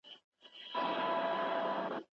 د ویټامین اې څاڅکي کله ورکول کیږي؟